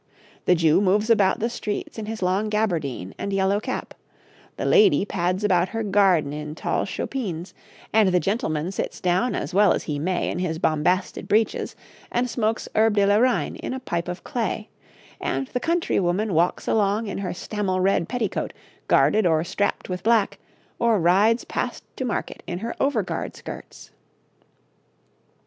The Jew moves about the streets in his long gaberdine and yellow cap, the lady pads about her garden in tall chopines, and the gentleman sits down as well as he may in his bombasted breeches and smokes Herbe de la Reine in a pipe of clay, and the country woman walks along in her stamell red petticoat guarded or strapped with black, or rides past to market in her over guard skirts.